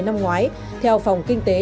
năm ngoái theo phòng kinh tế